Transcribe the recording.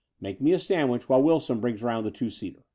Make me a sandwich while Wilson brings round the two seater."